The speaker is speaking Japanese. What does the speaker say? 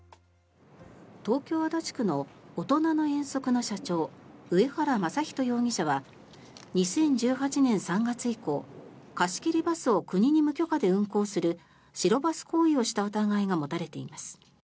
東京・足立区のおとなの遠足の社長上原昌仁容疑者は２０１８年３月以降貸し切りバスを国に無許可で運行する白バス行為をした疑いが持たれています。